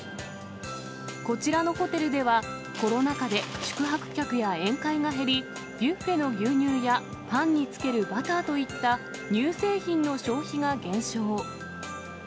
こちらのホテルでは、コロナ禍で宿泊客や宴会が減り、ビュッフェの牛乳や、パンにつけるバターといった乳製品の消費が減少。